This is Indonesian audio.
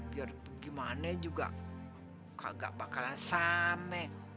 biar gimana juga gak bakalan same